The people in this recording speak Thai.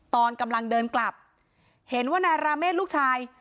ตอนกำลังเดินกลับเห็นว่านายราเมฆลูกชาย